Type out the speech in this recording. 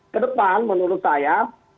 ke depan menurut saya